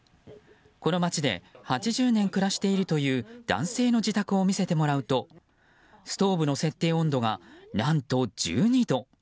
この町で８０年暮らしているという男性の自宅を見せてもらうとストーブの設定温度が何と１２度。